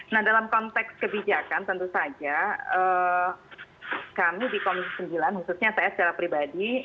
nah dalam konteks kebijakan tentu saja kami di komisi sembilan khususnya saya secara pribadi